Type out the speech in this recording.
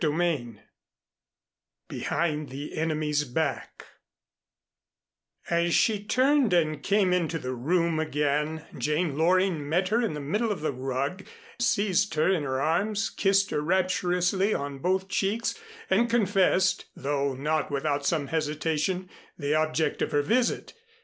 XVI BEHIND THE ENEMY'S BACK As she turned and came into the room again, Jane Loring met her in the middle of the rug, seized her in her arms, kissed her rapturously on both cheeks, and confessed, though not without some hesitation, the object of her visit.